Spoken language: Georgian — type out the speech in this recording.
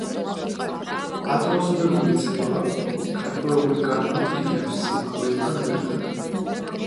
ატმოსფერული წნევა გარკვეული კანონით იკლებს სიმაღლესთან ერთად.